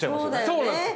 そうなんです。